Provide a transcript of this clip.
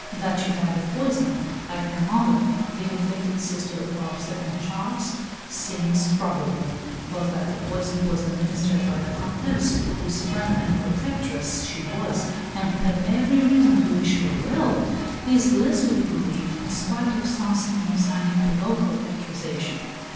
That she died of poison, like her mother, the ill fated sister of our second Charles, seems probable; but that the poison was administered by the Comtesse, whose friend and protectress she was and who had every reason to wish her well, is less to be believed, in spite of Saint Simon's unequivocal accusation.